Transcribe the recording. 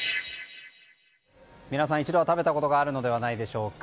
皆さん、一度は食べたことがあるのではないでしょうか。